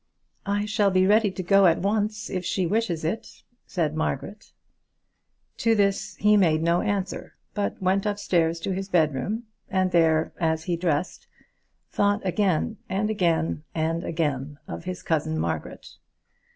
"I shall be ready to go at once if she wishes it," said Margaret. To this he made no answer, but went upstairs to his bedroom, and there, as he dressed, thought again, and again, and again of his cousin Margaret.